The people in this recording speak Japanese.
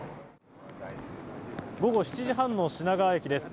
午後７時半の品川駅です。